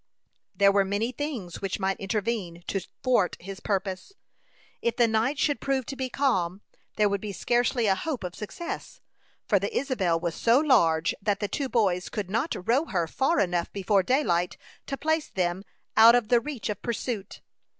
There were many things which might intervene to thwart his purpose. If the night should prove to be calm, there would be scarcely a hope of success; for the Isabel was so large that the two boys could not row her far enough, before daylight, to place them out of the reach of pursuit.